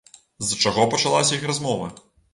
З чаго пачалася іх размова?